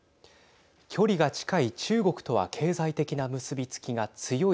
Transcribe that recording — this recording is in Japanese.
距離が近い中国とは経済的な結び付きが強い